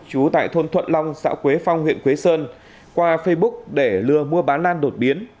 chú tại thôn thuận long xã quế phong huyện quế sơn qua facebook để lừa mua bán lan đột biến